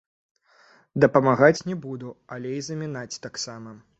Дапамагаць не буду, але і замінаць таксама.